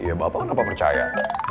iya bapak kenapa pas percaya